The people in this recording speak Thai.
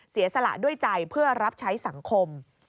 เสียสละด้วยใจเพื่อรับใช้สังคม